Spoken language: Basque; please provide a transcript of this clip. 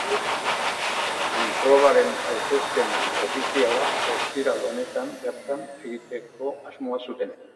Probaren aurkezpen ofiziala ostiral honetan bertan egiteko asmoa zuten.